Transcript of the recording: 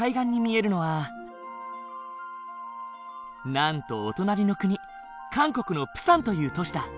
なんとお隣の国韓国のプサンという都市だ。